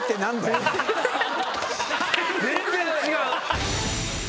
全然違う！